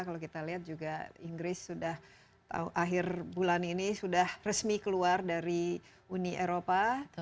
kalau kita lihat juga inggris sudah akhir bulan ini sudah resmi keluar dari uni eropa